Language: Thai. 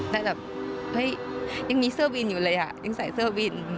แต่แบบเฮ้ยยังมีเสื้อวินอยู่เลยอ่ะยังใส่เสื้อวิน